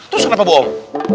terus kenapa bohong